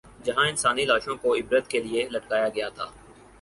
جہاں انسانی لاشوں کو عبرت کے لیے لٹکایا گیا تھا۔